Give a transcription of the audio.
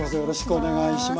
お願いします。